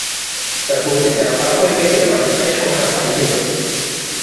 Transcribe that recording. তার পরিস্থিতি আরও খারাপ হয়ে গিয়েছিল কারণ স্প্যানিশ কোষাগার খালি ছিল।